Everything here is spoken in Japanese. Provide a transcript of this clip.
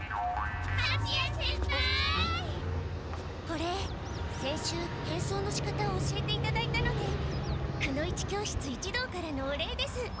これ先週変装のしかたを教えていただいたのでくの一教室一同からのお礼です。